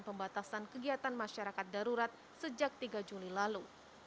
pembatasan kegiatan masyarakat darurat sejak tiga juli lalu